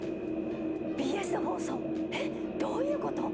ＢＳで放送えっどういうこと！？